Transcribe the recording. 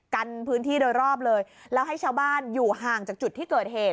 กันพื้นที่โดยรอบเลยแล้วให้ชาวบ้านอยู่ห่างจากจุดที่เกิดเหตุ